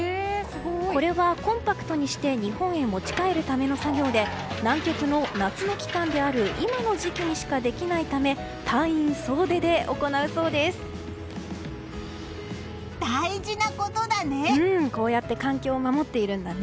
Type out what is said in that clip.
これはコンパクトにして日本に持ち帰るための作業で南極の夏の期間である今の時期にしかできないため大事なことだね！